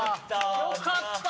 よかった。